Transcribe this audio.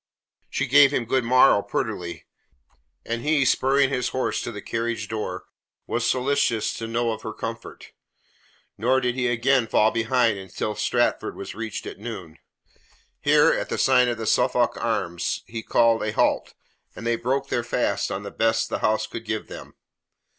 She gave him good morrow prettily, and he, spurring his horse to the carriage door, was solicitous to know of her comfort. Nor did he again fall behind until Stafford was reached at noon. Here, at the sign of the Suffolk Arms, he called a halt, and they broke their fast on the best the house could give them.